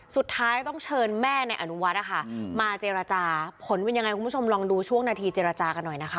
สุดท้ายต้องเชิญแม่ในอนุวัฒน์นะคะมาเจรจาผลเป็นยังไงคุณผู้ชมลองดูช่วงนาทีเจรจากันหน่อยนะคะ